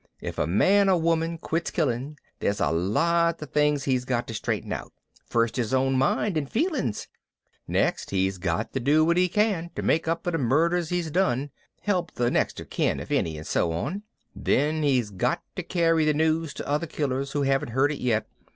If a man or woman quits killing there's a lot of things he's got to straighten out first his own mind and feelings, next he's got to do what he can to make up for the murders he's done help the next of kin if any and so on then he's got to carry the news to other killers who haven't heard it yet.